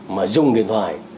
mà dùng điện thoại